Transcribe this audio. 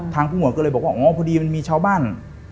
ผู้หวดก็เลยบอกว่าอ๋อพอดีมันมีชาวบ้าน